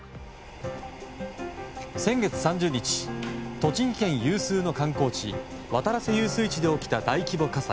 先月３０日栃木県有数の観光地渡良瀬遊水地で起きた大規模火災。